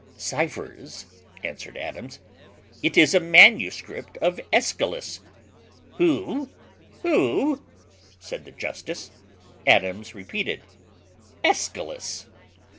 "Cyphers?" answered Adams, "it is a manuscript of Aeschylus." "Who? who?" said the justice. Adams repeated, "Aeschylus."